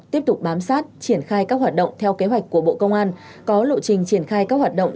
tiếp tục bám sát triển khai các hoạt động theo kế hoạch của bộ công an có lộ trình triển khai các hoạt động